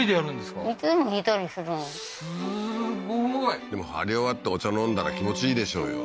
すごいでも張り終わってお茶飲んだら気持ちいいでしょうよ